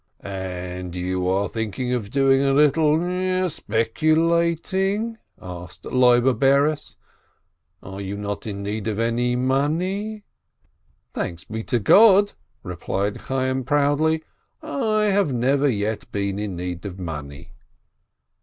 "And you are thinking of doing a little speculating ?" asked Loibe Bares. "Are you not in need of any money ?" "Thanks be to God," replied Chayyim, proudly, "I have never yet been in need of money."